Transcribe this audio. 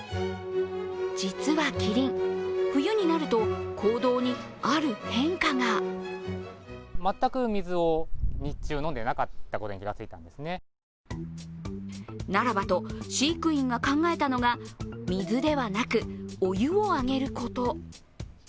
実はキリン、冬になると行動にある変化が。ならばと、飼育員が考えたのが水ではなくお湯をあげること。